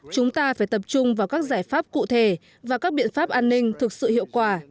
chúng ta phải tập trung vào các giải pháp cụ thể và các biện pháp an ninh thực sự hiệu quả